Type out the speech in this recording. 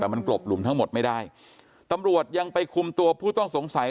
แต่มันกลบหลุมทั้งหมดไม่ได้ตำรวจยังไปคุมตัวผู้ต้องสงสัย